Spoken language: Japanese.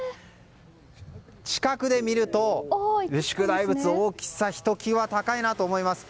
近くで見ると、牛久大仏大きさがひときわ高いと思います。